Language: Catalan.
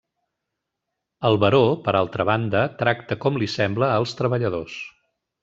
El baró, per altra banda, tracta com li sembla als treballadors.